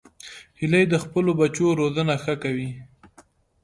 هیلۍ د خپلو بچو روزنه ښه کوي